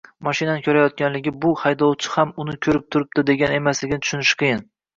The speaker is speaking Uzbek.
mashinani ko‘rayotganligi bu – haydovchi ham uni ko‘rib turibdi degani emasligini tushunishi qiyin.